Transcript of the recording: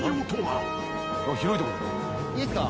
いいっすか？